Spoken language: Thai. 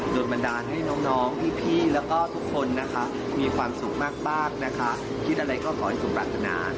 โดยบัญญาณให้น้องพี่แล้วก็ทุกคนมีความสุขมากคิดอะไรก็ขอให้สุขปรากฏนา